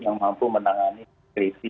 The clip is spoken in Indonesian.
yang mampu menangani kriasi